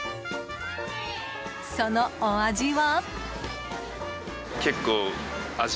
そのお味は。